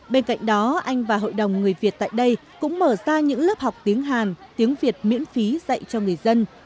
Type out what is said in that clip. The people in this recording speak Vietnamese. bên cạnh đó anh và hội đồng người việt tại đây cũng mở ra những lớp học tiếng hàn tiếng việt miễn phí dạy cho người dân